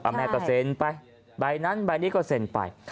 แม่ก็เซ็นไปใบนั้นใบนี้ก็เซ็นไป